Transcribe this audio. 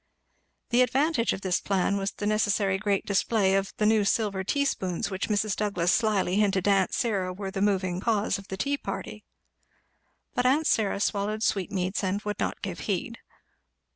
The advantage of this plan was the necessary great display of the new silver tea spoons which Mrs. Douglass slyly hinted to aunt Syra were the moving cause of the tea party. But aunt Syra swallowed sweetmeats and would not give heed.